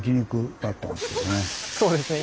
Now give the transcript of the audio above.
そうですね